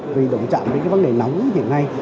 vì đồng chạm với cái vấn đề nóng hiện nay